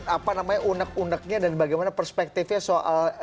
apa namanya unek uneknya dan bagaimana perspektifnya soal